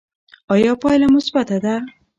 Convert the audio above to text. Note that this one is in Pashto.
ایا پایله مثبته ده؟